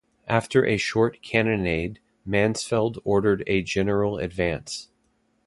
After a short cannonade, Mansfeld ordered a general advance.